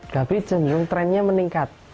tapi cendol trennya meningkat